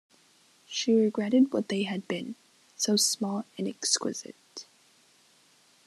She regretted what they had been — so small and exquisite.